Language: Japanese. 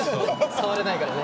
触れないからね。